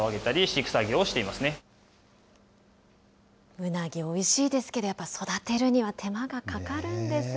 うなぎ、おいしいですけれども、やっぱ育てるには手間がかかるんですね。